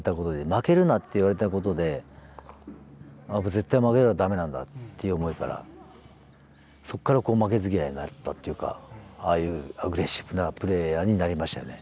負けるなって言われたことで絶対負けたら駄目なんだっていう思いからそこから負けず嫌いになったっていうかああいうアグレッシブなプレーヤーになりましたね。